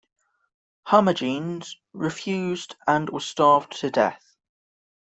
Hermogenes refused and was starved to death.